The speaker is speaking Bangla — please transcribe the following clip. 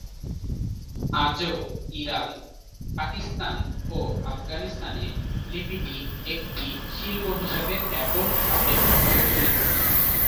আজও ইরান, পাকিস্তান ও আফগানিস্তানে লিপিটি একটি শিল্প হিসেবে ব্যাপকভাবে প্রচলিত।